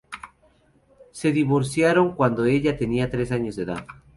Se divorciaron cuando ella tenía tres años de edad.